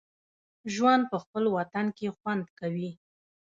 ژوند په خپل وطن کې خوند کوي